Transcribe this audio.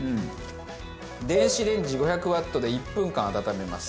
電子レンジ５００ワットで１分間温めます。